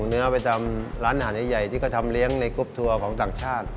ร้านอาหารใหญ่ที่ทำเลี้ยงกรุปทันของสังชาติ